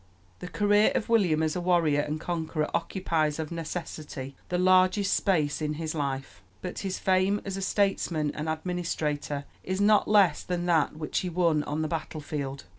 The career of William as a warrior and conqueror occupies of necessity the largest space in his life; but his fame as a statesman and administrator is not less than that which he won on the battle field.